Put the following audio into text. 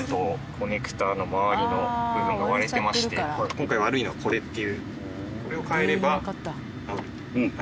今回悪いのはこれっていう。